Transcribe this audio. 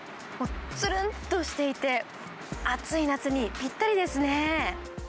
つるんとしていて、暑い夏にぴったりですね。